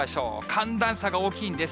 寒暖差が大きいです。